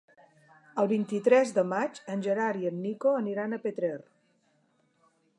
El vint-i-tres de maig en Gerard i en Nico aniran a Petrer.